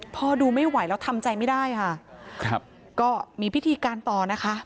ดูไม่ไหวแล้วทำใจไม่ได้ค่ะครับก็มีพิธีการต่อนะคะ